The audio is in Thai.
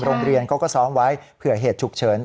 โรงเรียนเขาก็ซ้อมไว้เผื่อเหตุฉุกเฉิน